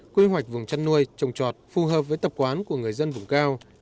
quy hoạch vùng chăn nuôi trồng trọt phù hợp với tập quán của người dân vùng cao